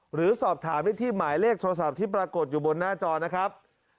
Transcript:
หรือสอบถามได้ที่หมายเลขโทรศัพท์ที่ปรากฏอยู่บนหน้าจอนะครับ